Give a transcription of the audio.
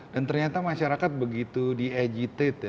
dan ternyata masyarakat begitu diegitate